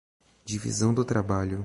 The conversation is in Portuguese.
Divisão do trabalho